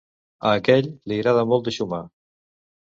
A aquell, li agrada molt de xumar.